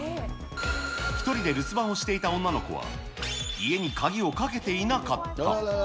１人で留守番をしていた女の子は、家に鍵をかけていなかった。